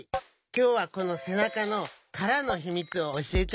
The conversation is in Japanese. きょうはこのせなかのからのひみつをおしえちゃうよ。